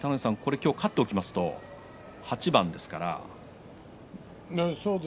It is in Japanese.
今日これ勝っておきますと８番ですから。